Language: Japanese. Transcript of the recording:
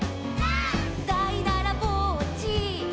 「」「だいだらぼっち」「」